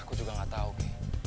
aku juga enggak tahu kay